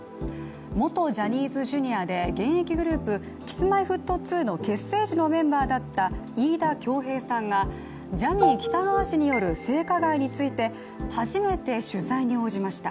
元ジャニーズＪｒ．で現役グループＫｉｓ−Ｍｙ−Ｆｔ２の結成時のメンバーだった飯田恭平さんがジャニー喜多川氏による性加害について初めて取材に応じました。